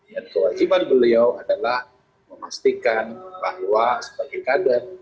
dan kewajiban beliau adalah memastikan bahwa sebagai kader